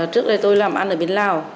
trước đây tôi làm ăn ở bên lào